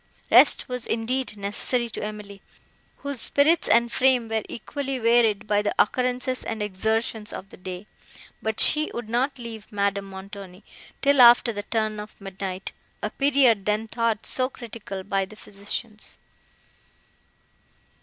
Rest was, indeed, necessary to Emily, whose spirits and frame were equally wearied by the occurrences and exertions of the day; but she would not leave Madame Montoni, till after the turn of midnight, a period then thought so critical by the physicians.